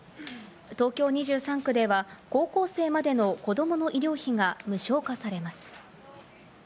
東京２３区では高校生までの子供の医療費が無償化されます。